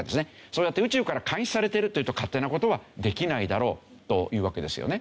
そうやって宇宙から監視されてるというと勝手な事はできないだろうというわけですよね。